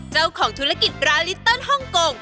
เจ้ากองธุรกิจราลินตอนห้องกง